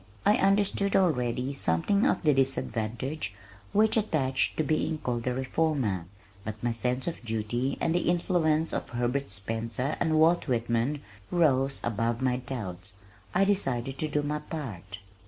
I understood already something of the disadvantage which attached to being called a reformer, but my sense of duty and the influence of Herbert Spencer and Walt Whitman rose above my doubts. I decided to do my part.